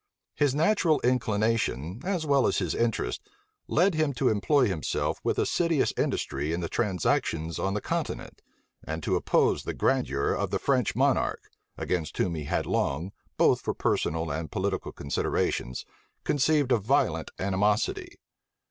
His natural inclination, as well as his interest, led him to employ himself with assiduous industry in the transactions on the continent, and to oppose the grandeur of the French monarch, against whom he had long, both from personal and political considerations, conceived a violent animosity.